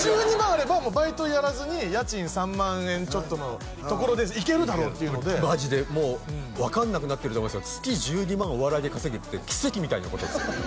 あればもうバイトやらずに家賃３万円ちょっとのところでいけるだろうっていうのでマジでもう分からなくなってると思うんですけど月１２万お笑いで稼ぐって奇跡みたいなことですよ